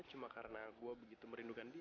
cuma karena gue begitu merindukan diri